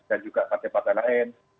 dan juga partai partai lain